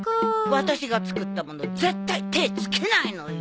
ワタシが作ったもの絶対手つけないのよ。